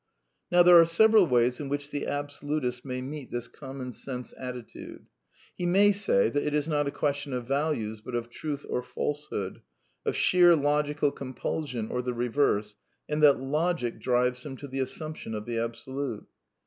Now there are several ways in which the absolutist may meet this common sense attitude. He may say that it is n ot a question of values^ but nf tmfh nr fA]f|gV]ood. of sheer, lo gical compu ls ion or the reverse, and that logic drives him to tke assumption of the Absolute.